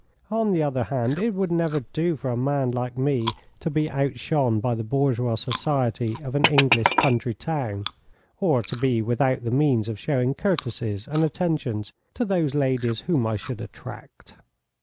On the other hand, it would never do for a man like me to be outshone by the bourgeois society of an English country town, or to be without the means of showing courtesies and attentions to those ladies whom I should attract.